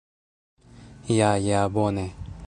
Ja ja bone